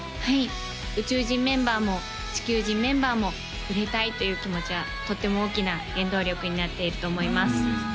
はい宇宙人メンバーも地球人メンバーも売れたいという気持ちはとっても大きな原動力になっていると思います